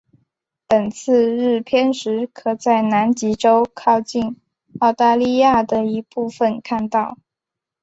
本次日偏食可在南极洲靠近澳大利亚的一部分看到。